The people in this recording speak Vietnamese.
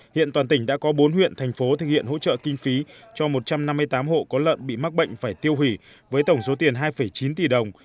hiện toàn tỉnh đã có bốn huyện thành phố thực hiện hỗ trợ kinh phí cho một trăm năm mươi tám hộ có lợn bị mắc bệnh phải tiêu hủy với tổng số tiền hai chín tỷ đồng